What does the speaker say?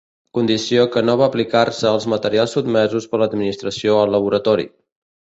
Condició que no va aplicar-se als materials sotmesos per l'Administració al Laboratori.